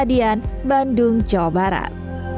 dapat membuat makanan lebih awet